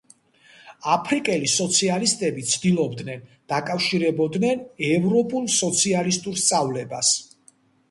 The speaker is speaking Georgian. აფრიკელი სოციალისტები ცდილობდნენ დაკავშირებოდნენ ევროპულ სოციალისტურ სწავლებას.